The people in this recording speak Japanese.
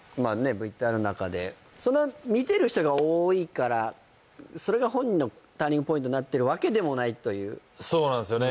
ＶＴＲの中でそれが本人のターニングポイントになってるわけでもないというそうなんすよね